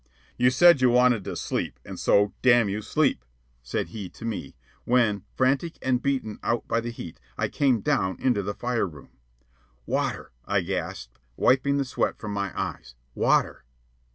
"You said you wanted to sleep, and so, damn you, sleep," said he to me, when, frantic and beaten out by the heat, I came down into the fire room. "Water," I gasped, wiping the sweat from my eyes, "water."